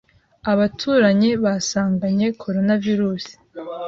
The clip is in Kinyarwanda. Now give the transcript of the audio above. abaturanyi basanganye corona virus